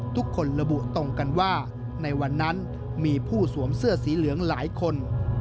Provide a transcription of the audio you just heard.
ทุกคนระบุตรงกันว่าในวันนั้นมีผู้สวมเสื้อสีเหลืองหลายคน